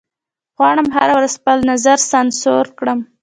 غواړم هره ورځ خپل نظر سانسور کړم